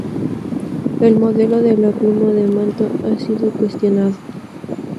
El modelo de la pluma de manto ha sido cuestionado.